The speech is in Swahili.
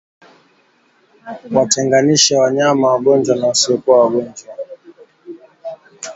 Watenganishe wanyama wagonjwa na wasiokuwa wagonjwa